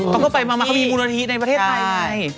เขาก็ไปมาเขามีมูลนิธิในประเทศไทยไง